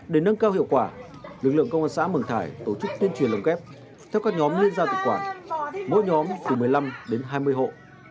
để nâng cao hiệu quả lực lượng công an xã mường thải tổ chức tuyên truyền lồng kép theo các nhóm liên gia tự quản mỗi nhóm từ một mươi năm đến hai mươi hộ